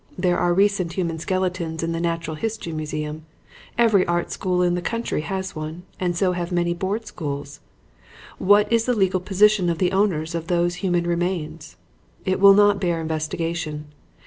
There are recent human skeletons in the Natural History Museum; every art school in the country has one and so have many board schools. What is the legal position of the owners of those human remains? It will not bear investigation.